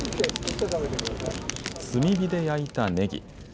炭火で焼いたねぎ。